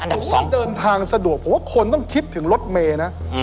เดินทางสะดวกเพราะว่าคนต้องคิดถึงรถเมนะ